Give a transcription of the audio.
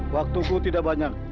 waktuku tidak banyak